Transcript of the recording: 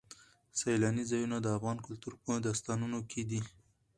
سیلاني ځایونه د افغان کلتور په داستانونو کې دي.